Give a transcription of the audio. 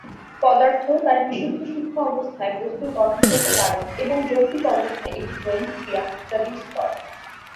পদার্থ, তার বিশুদ্ধ সূক্ষ্ম অবস্থায় বস্তুর গঠনগত কারণ, এবং যৌক্তিক অবস্থায় এটি গুণ, ক্রিয়া ইত্যাদির স্তর।